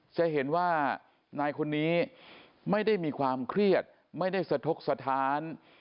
จะเห็นว่านายคนนี้ไม่ได้มีความเครียดไม่ได้สะทกสถาน